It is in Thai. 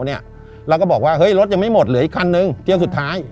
เราก็บอกว่าเฮ้ยรถยังไม่หมดเหลืออีกคันนึงเที่ยวสุดท้าย